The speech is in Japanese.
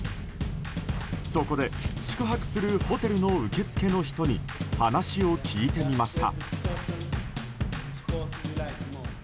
そこで、宿泊するホテルの受付の人に話を聞いてみました。